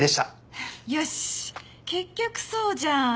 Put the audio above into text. ははっよし結局そうじゃん。